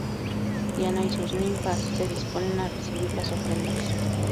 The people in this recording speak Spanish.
Diana y sus ninfas se disponen a recibir las ofrendas.